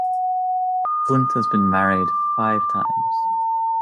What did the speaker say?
Flynt has been married five times.